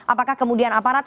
apakah kemudian aparat